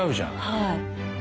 はい。